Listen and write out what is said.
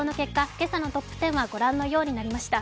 今朝のトップ１０はご覧のようになりました。